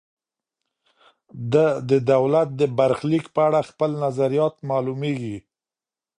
ده د دولت د برخلیک په اړه خپل نظریات معلوميږي.